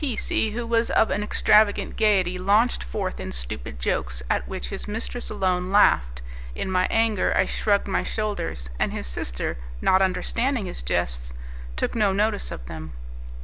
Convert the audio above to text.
P C , who was of an extravagant gaiety, launched forth in stupid jokes at which his mistress alone laughed; in my anger, I shrugged my shoulders, and his sister, not understanding his jests, took no notice of them.